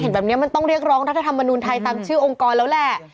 แบบนี้มันต้องเรียกร้องรัฐธรรมนุนไทยตามชื่อองค์กรแล้วแหละ